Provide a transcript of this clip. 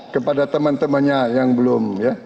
kepada teman temannya yang belum ya